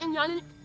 jangan ini ini